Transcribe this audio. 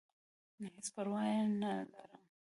هېڅ پرواه ئې نۀ لرم -